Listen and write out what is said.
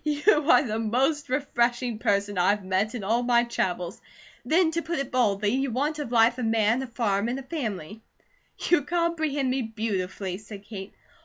"You are the most refreshing person I have met in all my travels. Then to put it baldly, you want of life a man, a farm, and a family." "You comprehend me beautifully," said Kate.